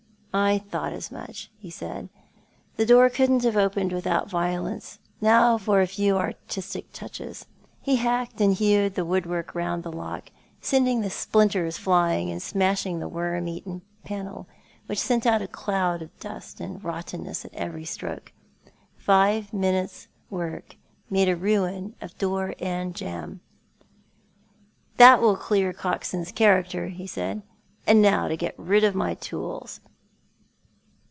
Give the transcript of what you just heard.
" I thought as much," he said. " The door couldn't have opened without violence. Now for a few artistic touches." He hacked and hewed the woodwork round the lock, sending the splinters flying, and smashing the worm eaten panel, which sent out a cloud of dust and rottenness at every stroke. Five minutes' work made a ruin of door and jamb. "That will clear Coxon's character," he said; "and now to get rid of my tools."